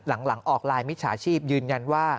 หลังออกไลน์มิจฉาชีพยืนยันว่า